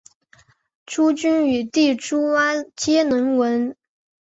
朱筠与弟朱圭皆能文。